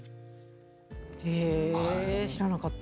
知らなかった。